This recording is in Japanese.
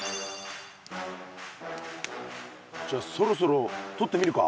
じゃそろそろとってみるか。